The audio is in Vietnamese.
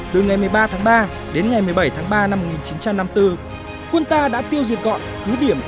từ ngày một mươi ba tháng ba đến ngày một mươi bảy tháng ba năm một nghìn chín trăm năm mươi bốn quân ta đã tiêu diệt gọn cứ điểm